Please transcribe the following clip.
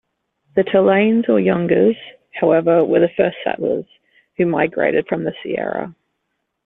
The Tallanes or Yungas, however, were the first settlers, who migrated from the Sierra.